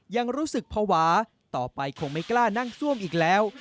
ยังรู้สึกภาวะต่อไปคงไม่กล้านั่งซ่วมอีกแล้ว